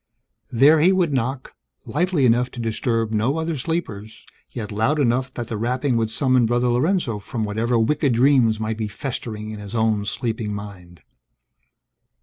There, he would knock; lightly enough to disturb no other sleepers, yet loud enough that the rapping would summon Brother Lorenzo from whatever wicked dreams might be festering in his own sleeping mind.